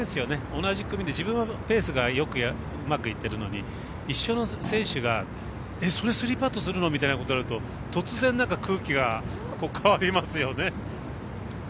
同じ組で自分はペースがうまくいってるのに一緒の選手がそれするの？っていう感じだと突然、空気が変わりますよね。